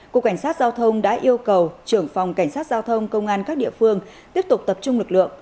cục cảnh sát giao thông đã yêu cầu trưởng phòng cảnh sát giao thông công an các địa phương tiếp tục tập trung lực lượng